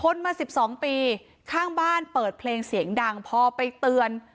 ทนมา๑๒ปีข้างบ้านเปิดเพลงเสียงดังพอไปเตือน